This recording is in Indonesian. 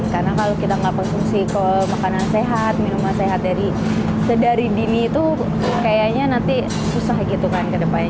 karena kalau kita nggak konsumsi makanan sehat minuman sehat dari dini itu kayaknya nanti susah gitu kan ke depannya